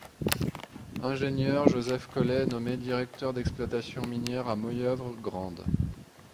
Ingénieur, Joseph Collet est nommé directeur d'exploitation minière à Moyeuvre-Grande.